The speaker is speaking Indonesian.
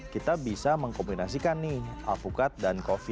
kita bisa mengkombinasikan nih alpukat dan kopi